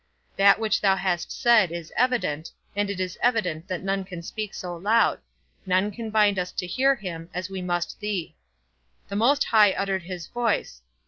That which thou hast said is evident, and it is evident that none can speak so loud; none can bind us to hear him, as we must thee. _The Most High uttered his voice.